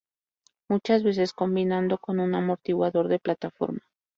Muchas veces combinando con un amortiguador de plataforma.